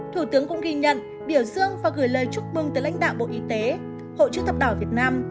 thủ tướng cũng ghi nhận biểu dương và gửi lời chúc mừng tới lãnh đạo bộ y tế hội chữ thập đỏ việt nam